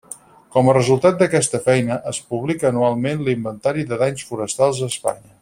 Com a resultat d'aquesta feina, es publica anualment l'inventari de danys forestals a Espanya.